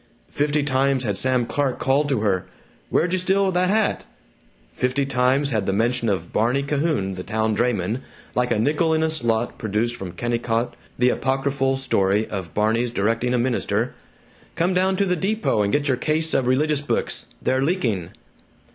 Fifty times had Sam Clark called to her, "Where'd you steal that hat?" Fifty times had the mention of Barney Cahoon, the town drayman, like a nickel in a slot produced from Kennicott the apocryphal story of Barney's directing a minister, "Come down to the depot and get your case of religious books they're leaking!"